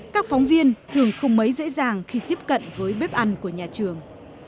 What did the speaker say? các phóng viên thường không mấy dễ dàng khi tiếp cận với bếp ăn của nhà trường